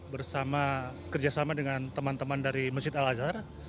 bersama kerjasama dengan teman teman dari masjid al azhar